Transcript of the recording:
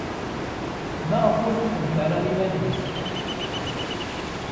Maɣef ur d-tqeddem ara iman-nnes?